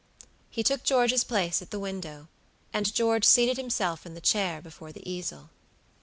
He took George's place at the window, and George seated himself in the chair before the easel.